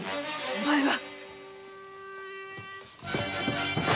お前は！？